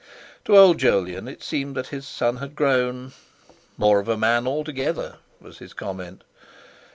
To old Jolyon it seemed that his son had grown. "More of a man altogether," was his comment.